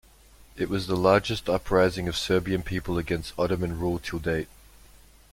It was the largest uprising of Serbian people against Ottoman rule till date.